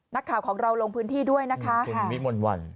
นักข่าวของเราลงพื้นที่ด้วยนะคะคุณวิมนต์วัน